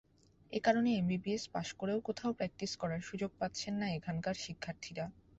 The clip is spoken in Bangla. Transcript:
এ কারণে এমবিবিএস পাস করেও কোথাও প্র্যাকটিস করার সুযোগ পাচ্ছেন না এখানকার শিক্ষার্থীরা।